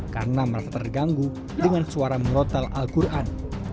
karena merasa terganggu dengan suara merotel al quran